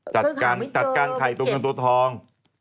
จัดการไข่ตัวเงินตัวทอง